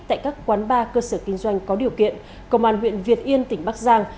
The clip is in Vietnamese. tại các quán bar cơ sở kinh doanh có điều kiện công an huyện việt yên tỉnh bắc giang